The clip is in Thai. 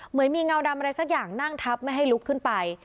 เหมือนมีเงาดำอะไรสักอย่างนั่งทับไม่ให้ลุกขึ้นไป